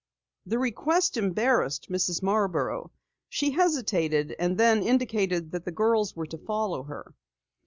The request embarrassed Mrs. Marborough. She hesitated, and then indicated that the girls were to follow her.